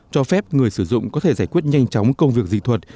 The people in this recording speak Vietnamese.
cho phép người sử dụng có thể giải quyết nhanh chóng công việc dịch thuật